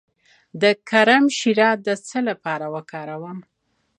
د کرم شیره د څه لپاره وکاروم؟